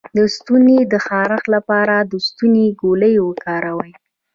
د ستوني د خارش لپاره د ستوني ګولۍ وکاروئ